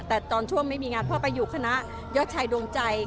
แต่ตอนช่วงไม่มีงานพ่อไปอยู่คณะยอดชายดวงใจ